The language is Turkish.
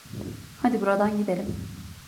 Hadi buradan gidelim.